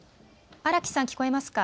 荒木さん、聞こえますか。